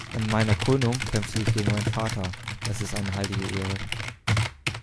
An meiner Krönung kämpfte ich gegen meinen Vater. Das ist eine heilige Ehre.